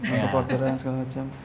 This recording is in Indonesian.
untuk korporan segala macam